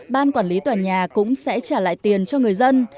ban quản lý tòa nhà cũng sẽ trả lại tiền cho người dân